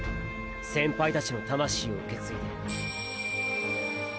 先輩たちの魂を受け継いで。